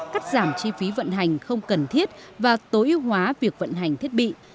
cắt giảm chi phí vận hành không cần thiết và tối ưu hóa việc vận hành thiết bị